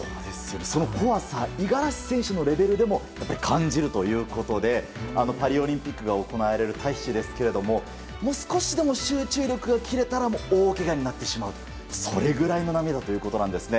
その怖さ、五十嵐選手のレベルでも感じるということでパリオリンピックが行われるタヒチですけれども少しでも集中力が切れたら大けがになってしまうそれぐらいの波だということですね。